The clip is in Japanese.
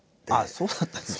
そうだったんですね。